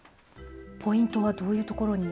ポイントはどういうところに？